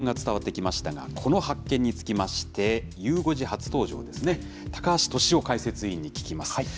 発見の興奮が伝わってきましたが、この発見につきまして、ゆう５時初登場ですね、高橋俊雄解説委員に聞きます。